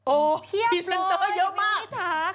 โอ้เพียบเลยมิวมิถาค่ะเพียบเลยมิวมิถาค่ะโอ้เพียบเลยมิวมิถาค่ะ